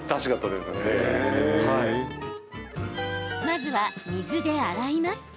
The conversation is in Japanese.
まずは、水で洗います。